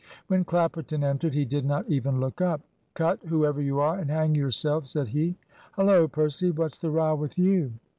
When Clapperton entered, he did not even look up. "Cut, whoever you are, and hang yourself," said he. "Hullo, Percy! What's the row with you?"